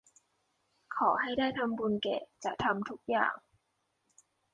ขอให้ได้ทำบุญแก่จะทำทุกอย่าง